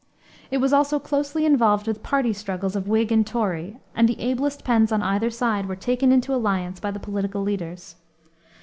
It was also closely involved with party struggles of Whig and Tory, and the ablest pens on either side were taken into alliance by the political leaders.